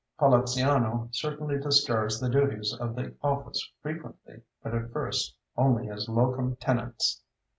Poliziano certainly discharged the duties of the office frequently, but at first only as locum tenens.